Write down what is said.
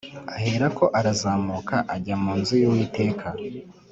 aherako arazamuka ajya mu nzu y’Uwiteka